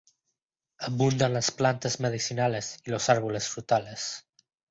Abundan las plantas medicinales y los árboles frutales.